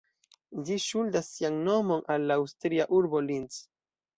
Ĝi ŝuldas sian nomon al la aŭstria urbo Linz.